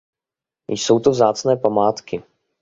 Jsou to vzácné památky.